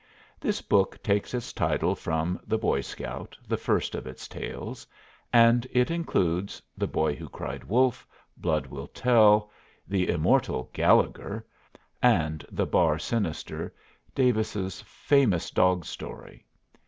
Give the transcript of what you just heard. This book takes its title from "The Boy Scout," the first of its tales; and it includes "The Boy Who Cried Wolf," "Blood Will Tell," the immortal "Gallegher," and "The Bar Sinister," Davis's famous dog story.